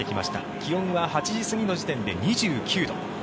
気温は８時過ぎの時点で２９度。